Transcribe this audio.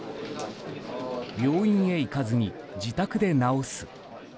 病院へ行かずに自宅で治す。